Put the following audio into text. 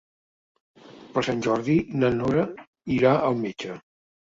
Per Sant Jordi na Nora irà al metge.